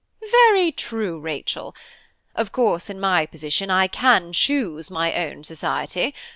"Very true, Rachel. Of course, in my position, I can choose my own society.